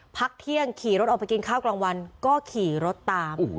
พักเที่ยงขี่รถออกไปกินข้าวกลางวันก็ขี่รถตาม